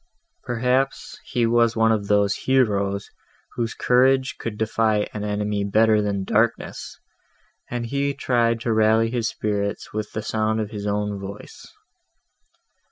Perhaps, he was one of those heroes, whose courage can defy an enemy better than darkness, and he tried to rally his spirits with the sound of his own voice.